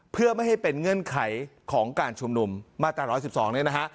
เพื่อไม่ให้เป็นเงื่อนไขของการชุมนุมมาตรา๑๑๒เนี่ยนะฮะ